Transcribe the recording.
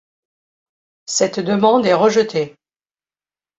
Cette demande est rejetée.